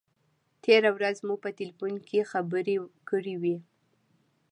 تېره ورځ مو په تیلفون کې خبرې کړې وې.